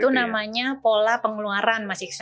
itu namanya pola pengeluaran mas iksan